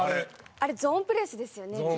あれ、ゾーンプレスですよね。